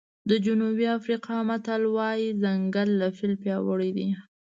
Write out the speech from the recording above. د جنوبي افریقا متل وایي ځنګل له فیل پیاوړی دی.